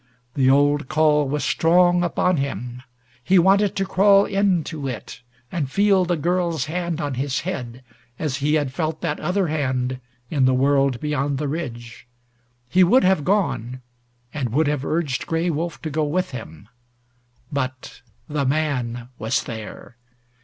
The old call was strong upon him. He wanted to crawl in to it, and feel the girl's hand on his head, as he had felt that other hand in the world beyond the ridge. He would have gone and would have urged Gray Wolf to go with him but the man was there.